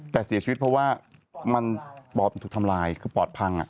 แต่เสียชีวิตเพราะว่ามันปอดมันถูกทำลายคือปอดพัง